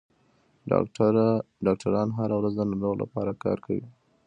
ډاکټران هره ورځ د ناروغ لپاره کار کوي.